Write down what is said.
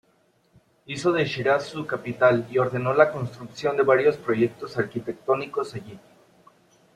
Hizo de Shiraz su capital y ordenó la construcción de varios proyectos arquitectónicos allí.